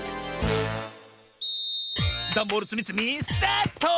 ダンボールつみつみスタート！